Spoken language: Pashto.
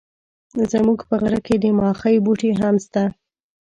زموږ په غره کي د ماخۍ بوټي هم سته.